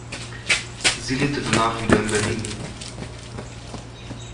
Sie lebte danach wieder in Berlin.